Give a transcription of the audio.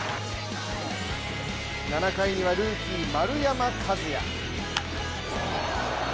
７回には、ルーキー・丸山和郁。